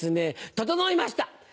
整いました！